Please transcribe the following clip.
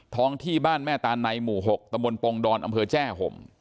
ท้องที่บ้านแม่ตาไนหมู่หกตะบนโปรงดรอำเภอแจ้ห่ม